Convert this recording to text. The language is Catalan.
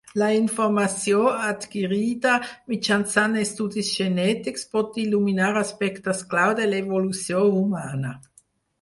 La informació adquirida mitjançant estudis genètics pot il·luminar aspectes clau de l'evolució humana.